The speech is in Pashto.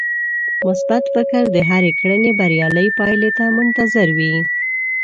مثبت فکر د هرې کړنې بريالۍ پايلې ته منتظر وي.